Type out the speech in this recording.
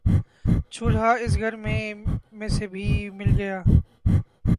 چولہا اس گھر میں سے ہی مل گیا